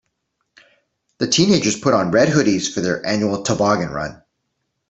The teenagers put on red hoodies for their annual toboggan run.